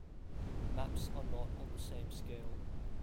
Maps are not on the same scale.